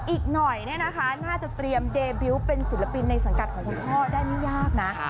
อีกหน่อยเนี่ยนะคะน่าจะเตรียมเดบิวต์เป็นศิลปินในสังกัดของคุณพ่อได้ไม่ยากนะ